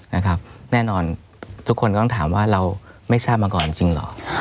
แน่นอนทุกคนก็ต้องถามว่าเราไม่ทราบมาก่อนจริงเหรอ